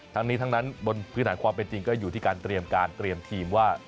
ทั้งนี้ทั้งนั้นบนพื้นฐานความเป็นจริงก็อยู่ที่การเตรียมการเตรียมทีมว่า